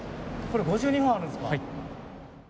これは５２本あるんですか。